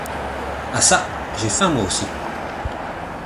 Ah çà, j’ai faim moi aussi.